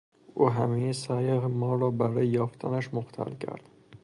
او همهی سعی ما را برای یافتنش مختل کرد.